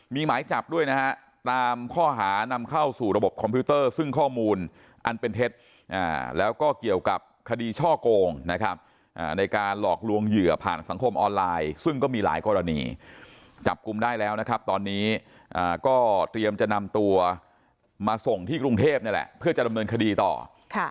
มีหมายจับด้วยนะฮะตามข้อหานำเข้าสู่ระบบคอมพิวเตอร์ซึ่งข้อมูลอันเป็นเท็จแล้วก็เกี่ยวกับคดีช่อโกงนะครับในการหลอกลวงเหยื่อผ่านสังคมออนไลน์ซึ่งก็มีหลายกรณีจับกลุ่มได้แล้วนะครับตอนนี้ก็เตรียมจะนำตัวมาส่งที่กรุงเทพนี่แหละเพื่อจะดำเนินคดีต่อค่ะ